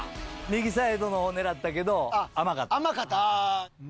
右サイドの方狙ったけど甘かった。